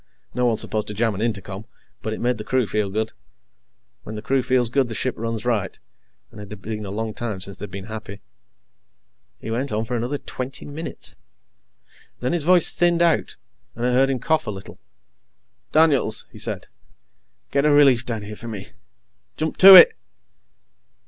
No one's supposed to jam an intercom, but it made the crew feel good. When the crew feels good, the ship runs right, and it had been a long time since they'd been happy. He went on for another twenty minutes. Then his voice thinned out, and I heard him cough a little. "Daniels," he said, "get a relief down here for me. _Jump to it!